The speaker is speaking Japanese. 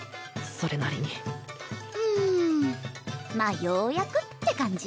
それなりにうんまあようやくって感じ？